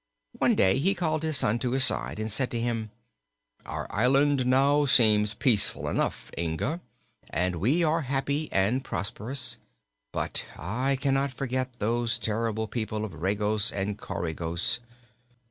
One day he called his son to his side and said to him: "Our island now seems peaceful enough, Inga, and we are happy and prosperous, but I cannot forget those terrible people of Regos and Coregos.